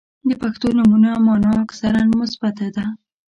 • د پښتو نومونو مانا اکثراً مثبته ده.